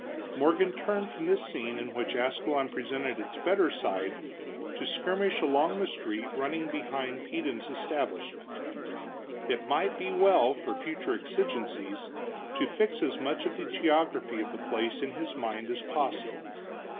Morgan turned from this scene in which Ascalon presented its better side, to skirmish along the street running behind Peden's establishment. It might be well, for future exigencies, to fix as much of the geography of the place in his mind as possible.